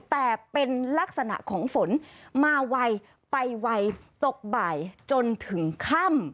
แต่เป็นลักษณะของฝนมาไวไปไวตกบ่ายจนถึงค่ำ